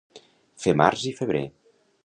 Fer març i febrer.